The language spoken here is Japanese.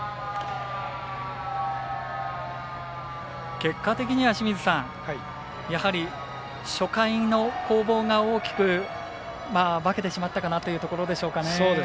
結果的には清水さん、やはり初回の攻防が大きく分けてしまったかなというところでしょうかね。